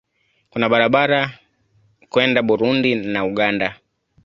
Kuna barabara kwenda Burundi na Uganda.